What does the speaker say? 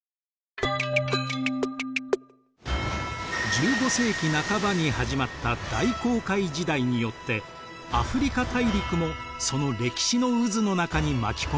１５世紀半ばに始まった大航海時代によってアフリカ大陸もその歴史の渦の中に巻き込まれていきます。